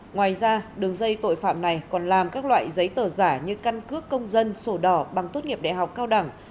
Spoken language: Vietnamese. ngoài ra đường dây tội phạm này còn làm các loại giấy tờ giả như căn cước công dân sổ đỏ bằng tốt nghiệp đại học cao đẳng